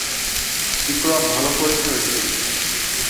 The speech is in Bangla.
বিক্রম, ভালো করেছ এসে।